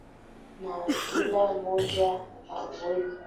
Na kila mmoja aweze kushikilia kaboni nyingi kama